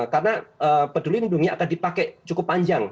karena peduli ini dunia akan dipakai cukup panjang